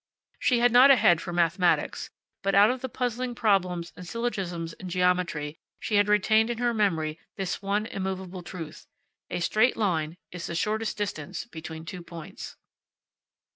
She had not a head for mathematics, but out of the puzzling problems and syllogisms in geometry she had retained in her memory this one immovable truth: A straight line is the shortest distance between two points.